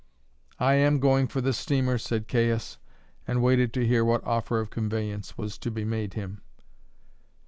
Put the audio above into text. "I am going for the steamer," said Caius, and waited to hear what offer of conveyance was to be made him.